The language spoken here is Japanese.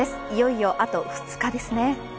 いよいよあと２日ですね。